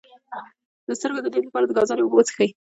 د سترګو د لید لپاره د ګازرې اوبه وڅښئ